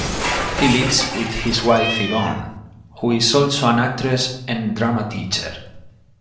He lives with his wife Yvonne who is also an actress and drama teacher.